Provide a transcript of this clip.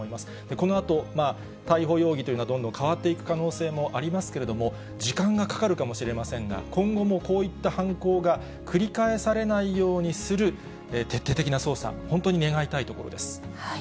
このあと、逮捕容疑というのはどんどん変わっていく可能性もありますけれども、時間がかかるかもしれませんが、今後もこういった犯行が繰り返されないようにする徹底的な捜査、本当に願いたいところです。